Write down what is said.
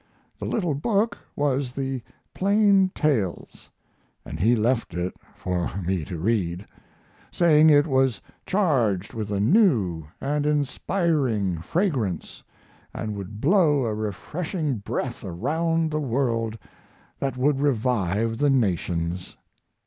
The little book was the Plain Tales, and he left it for me to read, saying it was charged with a new and inspiriting fragrance, and would blow a refreshing breath around the world that would revive the nations.